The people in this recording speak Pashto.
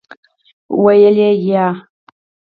ویل : یا .